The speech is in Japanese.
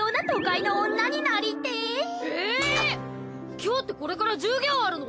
今日ってこれから授業あるの？